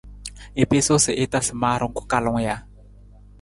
I piisu sa i tasa maarung ku kalung ja?